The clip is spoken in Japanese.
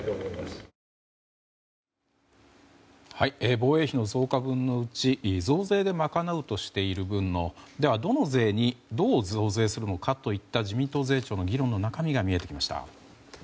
防衛費の増加分のうち増税で賄うとしている分のでは、どの税にどう増税するのかといった自民党税調の議論の中身が見えてきました。